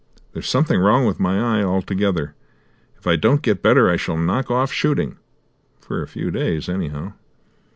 There's something wrong with my eye altogether. If I don't get better, I shall knock off shooting for a few days, anyhow."